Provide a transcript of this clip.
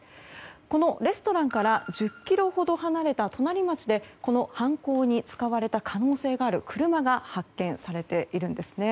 このレストランから１０ｋｍほど離れた隣町でこの犯行に使われた可能性がある車が発見されているんですね。